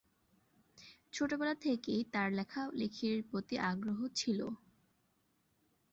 ছোটবেলা থেকেই তার লেখালেখির প্রতি আগ্রহ ছিল।